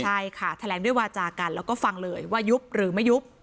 ใช่ค่ะแถลงด้วยวาจากันแล้วก็ฟังเลยว่ายุบหรือไม่ยุบ